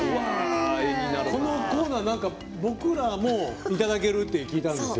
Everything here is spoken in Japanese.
このコーナー、僕らもいただけるって聞いたんですよ。